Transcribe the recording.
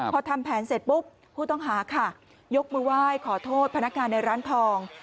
พอทำแผนเสร็จปุ๊บผู้ต้องหาค่ะยกมือไหว้ขอโทษพนักงานในร้านทอง